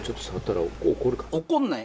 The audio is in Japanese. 怒んない。